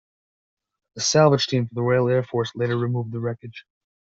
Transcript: A salvage team from the Royal Air Force later removed the wreckage.